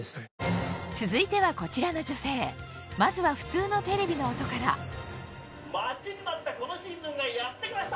続いてはこちらの女性まずは普通のテレビの音から待ちに待ったこのシーズンがやって来ました！